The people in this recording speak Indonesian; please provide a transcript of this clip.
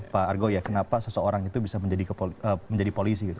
pak argo ya kenapa seseorang itu bisa menjadi polisi gitu